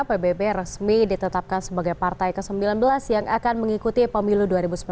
pbb resmi ditetapkan sebagai partai ke sembilan belas yang akan mengikuti pemilu dua ribu sembilan belas